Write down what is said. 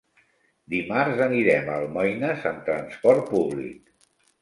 Dimarts anirem a Almoines amb transport públic.